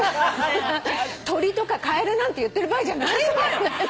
鳥とかカエルなんて言ってる場合じゃないんだよ。